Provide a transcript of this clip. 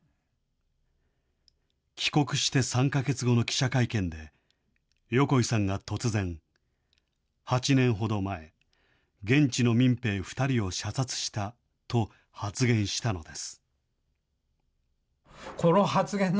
帰国して３か月後の記者会見で、横井さんが突然、８年ほど前、現地の民兵２人を射殺したと発言したのです。